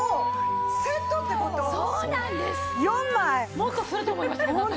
もっとすると思いましたけど私。